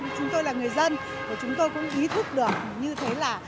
chúng tôi là người dân của chúng tôi cũng ý thức được như thế là